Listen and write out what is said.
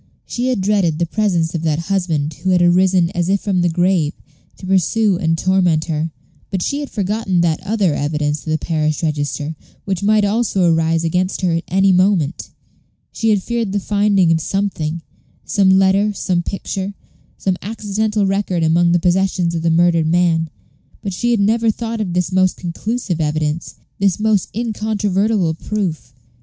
She had dreaded the presence of that husband who had arisen, as if from the grave, to pursue and torment her, but she had forgotten that other evidence of the parish register, which might also arise against her at any moment. She had feared the finding of something some letter some picture some accidental record among the possessions of the murdered man, but she had never thought of this most conclusive evidence, this most incontrovertible proof.